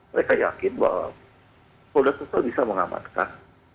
mereka yakin bahwa kota kota bisa mengamatkan